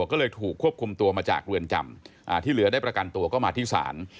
ก็เลยถูกควบคุมตัวมาจากเรือนจำที่เหลือได้ประกันตัวก็มาที่ศาล